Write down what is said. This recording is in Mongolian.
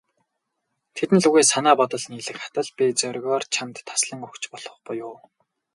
Тэдэн лүгээ санаа бодол нийлэх атал, би зоригоор чамд таслан өгч болох буюу.